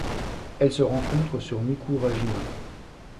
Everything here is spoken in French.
Elle se rencontre sur Mikurajima.